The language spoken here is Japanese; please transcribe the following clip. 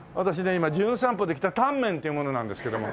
今『じゅん散歩』で来たタンメンという者なんですけども。